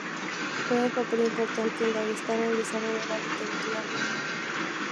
Jugó un papel importante en Daguestán en el desarrollo de la literatura rusa.